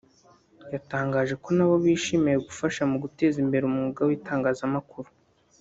yatangaje ko na bo bishimiye gufasha mu guteza imbere umwuga w’Itangazamakuru